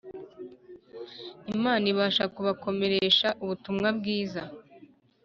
Imana ibasha kubakomeresha ubutumwa bwiza